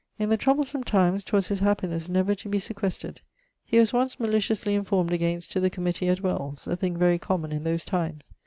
In the troublesome times 'twas his happinesse never to bee sequestred. He was once maliciously informed against to the Committee at Wells (a thing very common in those times).